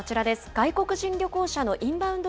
外国人旅行者のインバウンド